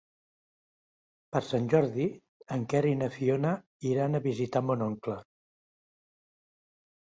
Per Sant Jordi en Quer i na Fiona iran a visitar mon oncle.